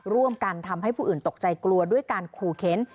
ร่วมกันทำให้ผู้อื่นตกใจกลัวด้วยการขู่เข็น